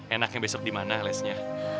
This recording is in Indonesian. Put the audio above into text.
enaknya besok di mana lesnya